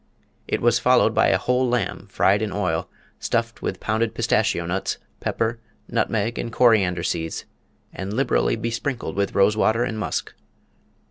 It was followed by a whole lamb fried in oil, stuffed with pounded pistachio nuts, pepper, nutmeg, and coriander seeds, and liberally besprinkled with rose water and musk.